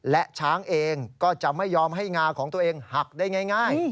และช้างเองก็จะไม่ยอมให้งาของตัวเองหักได้ง่าย